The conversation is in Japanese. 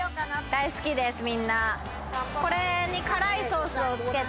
大好きですみんな。